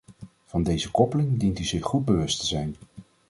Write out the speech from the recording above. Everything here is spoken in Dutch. Van deze koppeling dient u zich goed bewust te zijn.